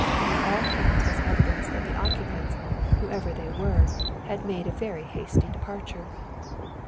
On all hands was evidence that the occupants, whoever they were, had made a very hasty departure.